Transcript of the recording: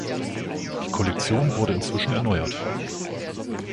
Die Kollektion wurde inzwischen erneuert.